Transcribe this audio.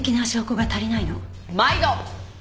まいど！